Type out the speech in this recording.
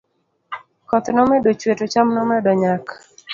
koth nomedo chuwe to cham nomedo nyak